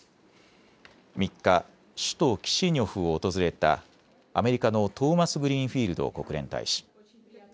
３日、首都キシニョフを訪れたアメリカのトーマスグリーンフィールド国連大使。